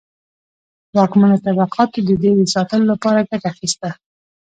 واکمنو طبقاتو د دې د ساتلو لپاره ګټه اخیسته.